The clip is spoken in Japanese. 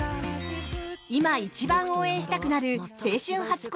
今一番応援したくなる青春初恋